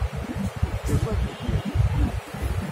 Tettagad deg yiḍ.